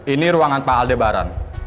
ini ruangan pak aldebaran